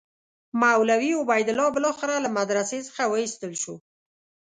مولوي عبیدالله بالاخره له مدرسې څخه وایستل شو.